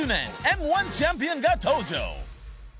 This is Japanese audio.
Ｍ−１チャンピオンが登場］